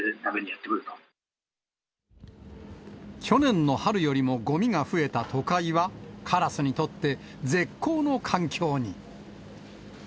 去年の春よりもごみが増えた都会は、カラスにとって絶好の環境に。